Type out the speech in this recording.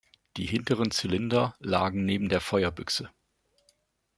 Die hinteren Zylinder lagen neben der Feuerbüchse.